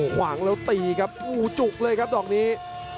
ขวางแล้วตีครับโอ้โหจุกเลยครับดอกนี้